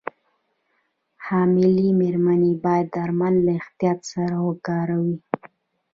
حاملې مېرمنې باید درمل له احتیاط سره وکاروي.